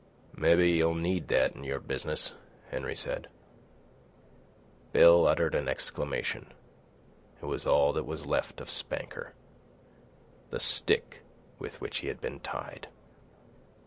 "Mebbe you'll need that in your business," Henry said. Bill uttered an exclamation. It was all that was left of Spanker—the stick with which he had been tied.